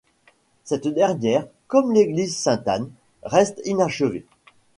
Cette dernière, comme l'église Sainte-Anne, reste inachevée.